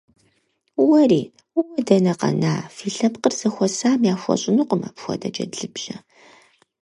Уэри? Уэ дэнэ къэна, фи лъэпкъыр зэхуэсам яхуэщӀынукъым апхуэдэ джэдлыбжьэ.